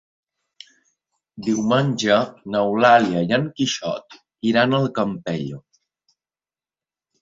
Diumenge n'Eulàlia i en Quixot iran al Campello.